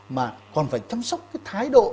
mà còn phải chăm sóc cái thái độ